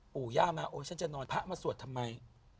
ปู่ย่ามาโอ้ฉันจะนอนพระมาสวดทำไม